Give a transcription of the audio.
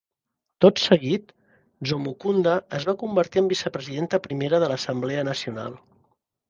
Tot seguit, Nzomukunda es va convertir en vicepresidenta primera de l'Assemblea Nacional.